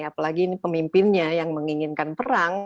apalagi ini pemimpinnya yang menginginkan perang